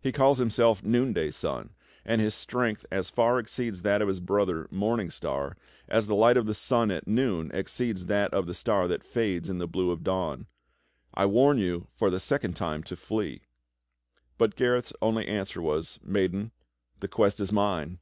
He calls himself Noonday Sun, and his strength as far exceeds that of his brother, IMorning Star, as the light of the sun at noon exceeds that of the star that fades in the blue of dawn. I warn you for the second time to flee." But Gareth's only answer was: "Maiden, the quest is mine.